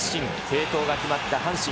継投が決まった阪神。